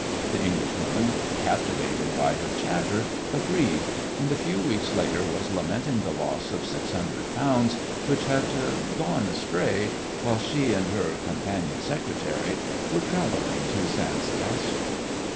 The English woman, captivated by her chatter, agreed, and a few weeks later was lamenting the loss of six hundred pounds which had "gone astray" while she and her "companion secretary" were travelling to San Sebastian.